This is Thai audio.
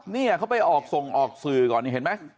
เนี่ยเขาไปออกส่งออกสื่อก่อนนี่เห็นไหม